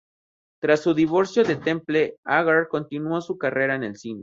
Tras su divorcio de Temple, Agar continuó su carrera en el cine.